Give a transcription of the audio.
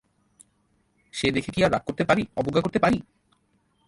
সে দেখে কি আর রাগ করতে পারি, অবজ্ঞা করতে পারি!